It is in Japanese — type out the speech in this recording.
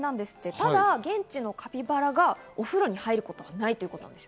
ただ、現地のカピバラがお風呂に入ることはないということです。